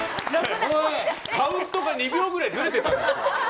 カウントが２秒ぐらいずれてた。